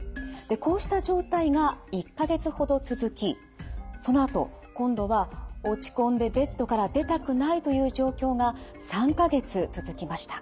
こうした状態が１か月ほど続きそのあと今度は落ち込んでベッドから出たくないという状況が３か月続きました。